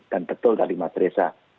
dan betul dari mas risa